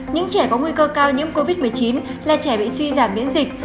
những trẻ có nguy cơ cao nhiễm covid một mươi chín là trẻ bị suy giảm miễn dịch